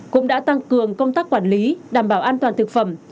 cũng đã tăng cường công tác quản lý đảm bảo an toàn thực phẩm